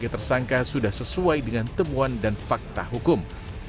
tersangka sudah sesuai dengan temuan dan fakta hukum